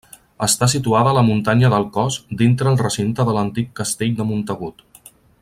Està situada a la muntanya del Cós dintre el recinte de l'antic Castell de Montagut.